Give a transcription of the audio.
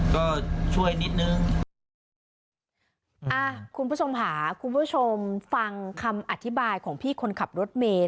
ก็ช่วยนิดนึงอ่าคุณผู้ชมค่ะคุณผู้ชมฟังคำอธิบายของพี่คนขับรถเมย์